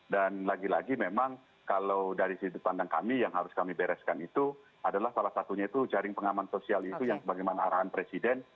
dan lagi lagi memang kalau dari sisi pandang kami yang harus kami bereskan itu adalah salah satunya itu jaring pengaman sosial itu yang sebagaimana arahan presiden